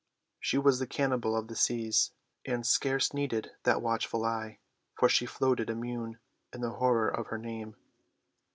She was the cannibal of the seas, and scarce needed that watchful eye, for she floated immune in the horror of her name.